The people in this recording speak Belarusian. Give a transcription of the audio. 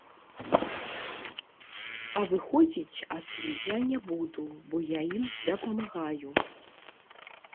А выходзіць адтуль я не буду, бо я ім дапамагаю.